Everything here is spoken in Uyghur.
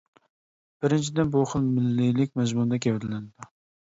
بىرىنچىدىن، بۇ خىل مىللىيلىك مەزمۇنىدا گەۋدىلىنىدۇ.